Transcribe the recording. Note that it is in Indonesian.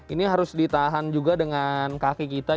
ini harus ditahan juga dengan kaki kita